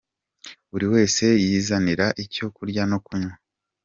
Buri wese yizanira icyo kurya no kunywa….